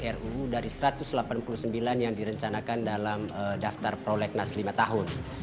ruu dari satu ratus delapan puluh sembilan yang direncanakan dalam daftar prolegnas lima tahun